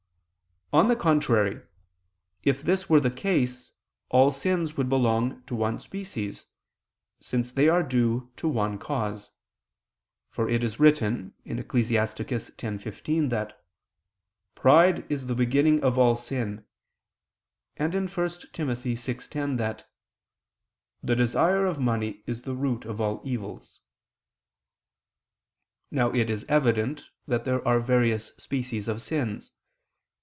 On the contrary, If this were the case all sins would belong to one species, since they are due to one cause. For it is written (Ecclus. 10:15) that "pride is the beginning of all sin," and (1 Tim. 6:10) that "the desire of money is the root of all evils." Now it is evident that there are various species of sins.